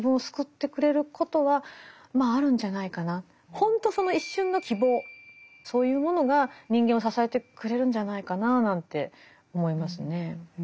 ほんとその一瞬の希望そういうものが人間を支えてくれるんじゃないかななんて思いますね。